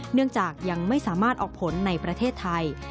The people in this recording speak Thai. เนื่องจากยังไม่สามารถออกผลในประเทศไทย